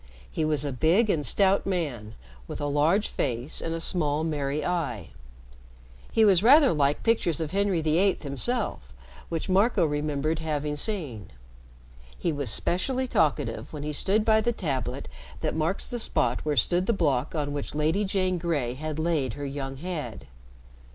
He was a big and stout man, with a large face and a small, merry eye. He was rather like pictures of Henry the Eighth, himself, which Marco remembered having seen. He was specially talkative when he stood by the tablet that marks the spot where stood the block on which Lady Jane Grey had laid her young head.